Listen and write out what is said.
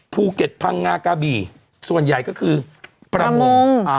ภูเก็ตพังงากาบีส่วนใหญ่ก็คือประมง